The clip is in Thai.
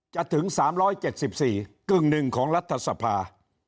ถึง๓๗๔กึ่งหนึ่งของรัฐสภา